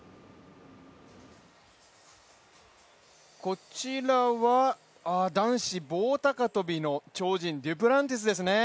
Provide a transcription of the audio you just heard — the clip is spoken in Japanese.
こちらは男子棒高跳の鳥人デュプランティスですね。